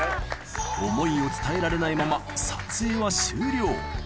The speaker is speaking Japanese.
思いを伝えられないまま、撮影は終了。